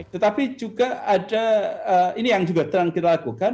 tetapi juga ada ini yang juga sedang kita lakukan